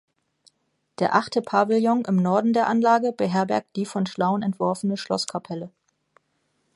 Der achte Pavillon im Norden der Anlage beherbergt die von Schlaun entworfene Schlosskapelle.